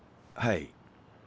はい。